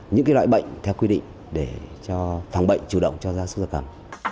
những loại bệnh theo quy định để cho phòng bệnh chủ động cho ra sức giấc hẳn